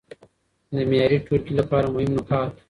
د معياري ټولګي لپاره مهم نقاط: